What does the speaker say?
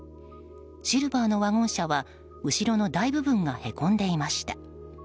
シルバーのワゴン車は後ろの大部分がへこんでいました。